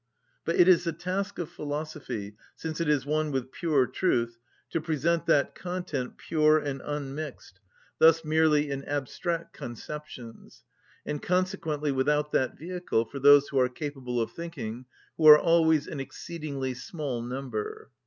But it is the task of philosophy, since it is one with pure truth, to present that content pure and unmixed, thus merely in abstract conceptions, and consequently without that vehicle, for those who are capable of thinking, who are always an exceedingly small number.